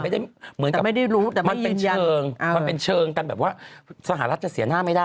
แต่ไม่ได้เนี่ยมันเป็นเชิง